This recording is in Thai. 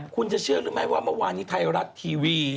คุณจะเชื่อหรือไม่ว่าเมื่อวานนี้ไทยรัฐทีวี